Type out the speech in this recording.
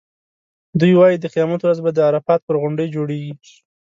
دوی وایي د قیامت ورځ به د عرفات پر غونډۍ جوړېږي.